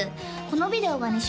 このビデオがね